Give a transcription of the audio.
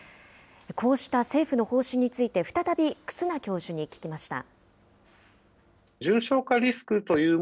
こうした政府の方針について再び忽那教授に聞きました。